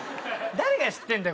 誰が知ってんだよ